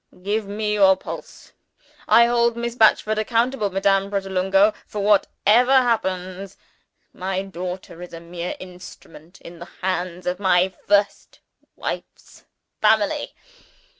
Give me your pulse. I hold Miss Batchford accountable, Madame Pratolungo, for whatever happens my daughter is a mere instrument in the hands of my first wife's family.